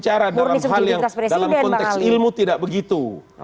dalam konteks ilmu tidak begitu